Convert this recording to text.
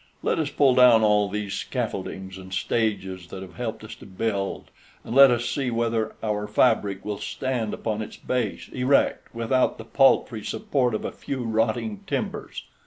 Let us pull down all these scaffoldings and stages that have helped us to build, and let us see whether our fabric will stand upon its base, erect, without the paltry support of a few rotting timbers.